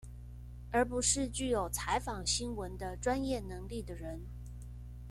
而不是具有採訪新聞的專業能力的人